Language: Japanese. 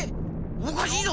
おかしいぞ。